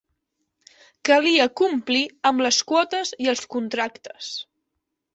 Calia complir amb les quotes i els contractes.